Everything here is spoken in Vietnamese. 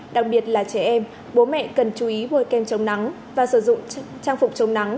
đặc biệt là trẻ em bố mẹ cần chú ý bôi kem chống nắng và sử dụng trang phục chống nắng